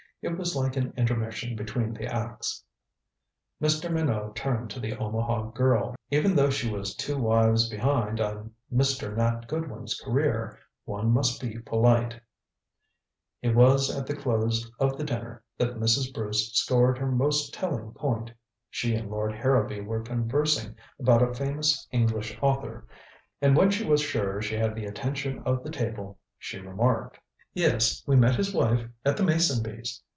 It was like an intermission between the acts. Mr. Minot turned to the Omaha girl. Even though she was two wives behind on Mr. Nat Goodwin's career, one must be polite. It was at the close of the dinner that Mrs. Bruce scored her most telling point. She and Lord Harrowby were conversing about a famous English author, and when she was sure she had the attention of the table, she remarked: "Yes, we met his wife at the Masonbys'.